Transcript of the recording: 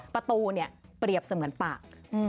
ประตูเนี่ยเปรียบเสมือนปาก